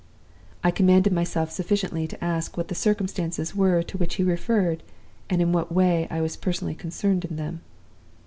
"I commanded myself sufficiently to ask what the circumstances were to which he referred, and in what way I was personally concerned in them.